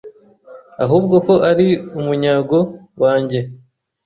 ahubwo ko ari umunyago wanjye